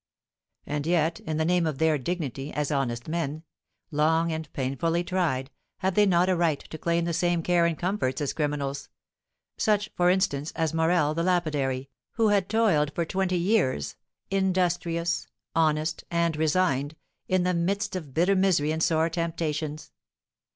And yet, in the name of their dignity, as honest men, long and painfully tried, have they not a right to claim the same care and comforts as criminals, such, for instance, as Morel, the lapidary, who had toiled for twenty years, industrious, honest, and resigned, in the midst of bitter misery and sore temptations?